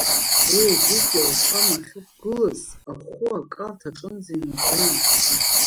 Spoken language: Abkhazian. Уи ажәытәтәи ауахәама ахьықәгылаз, ахәы акалҭ аҿынӡа инаӡон.